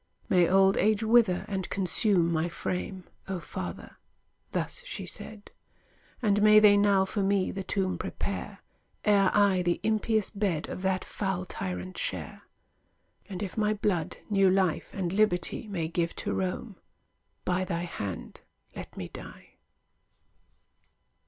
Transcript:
"May old age wither and consume my frame, O father,"—thus she said; "And may they now for me the tomb prepare, E'er I the impious bed Of that foul tyrant share: And if my blood new life and liberty May give to Rome, by thy hand let me die!"